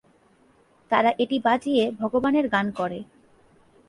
তারা এটি বাজিয়ে ভগবানের গান করে।